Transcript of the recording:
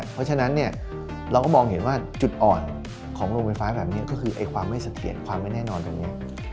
เพราะฉะนั้นเราก็มองเห็นว่าจุดอ่อนของโรงไฟฟ้าแบบนี้ก็คือความไม่เสถียรความไม่แน่นอนตรงนี้